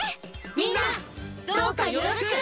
みんなどうかよろしく！